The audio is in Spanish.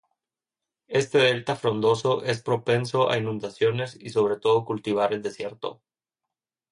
Este delta frondoso es propenso a inundaciones y sobre todo cultivar el desierto.